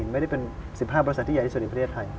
ไม่ได้เป็น๑๕บริษัทที่ใหญ่ที่สุดในประเทศไทย